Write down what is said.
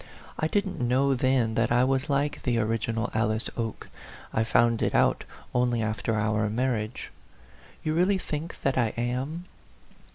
I didn't know then that I was like the original Alice Oke ; I found it out only after our marriage. You really think that I am